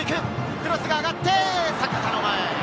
クロスが上がって阪田の前。